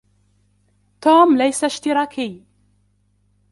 توم ليس اشتراكي.